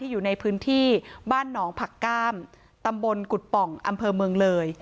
อยู่ในพื้นที่บ้านหนองผักก้ามตำบลกุฎป่องอำเภอเมืองเลย